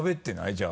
じゃあ。